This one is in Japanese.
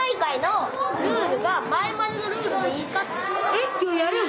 えっ今日やるの？